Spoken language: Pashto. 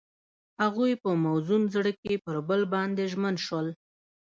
هغوی په موزون زړه کې پر بل باندې ژمن شول.